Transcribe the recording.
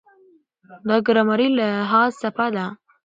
دا ګرامري لحاظ څپه ده.